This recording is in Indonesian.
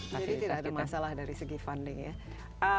jadi tidak ada masalah dari segi funding ya